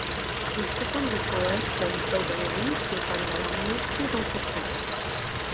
Il fréquente des poètes comme Paul Valéry, Stéphane Mallarmé ou Jean Cocteau.